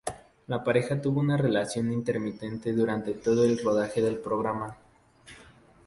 La pareja tuvo una relación intermitente durante todo el rodaje del programa.